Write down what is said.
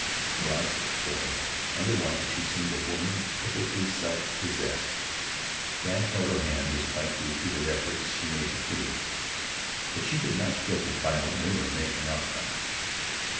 Her eyes were brilliant, otherwise she seemed a woman perfectly self possessed. Brandt held her hand despite the repeated efforts she made to free it. But she did not struggle violently, or make an outcry.